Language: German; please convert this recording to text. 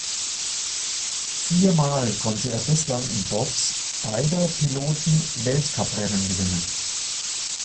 Viermal konnte er bislang in Bobs beider Piloten Weltcuprennen gewinnen.